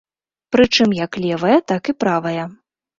Прычым як левая, так і правая.